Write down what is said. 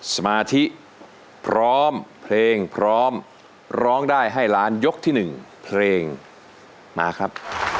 สมาธิพร้อมเพลงพร้อมร้องได้ให้ล้านยกที่๑เพลงมาครับ